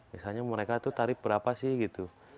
misalnya mereka itu tarif berapa sih gitu